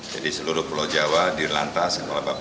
jadi seluruh pulau jawa dilantas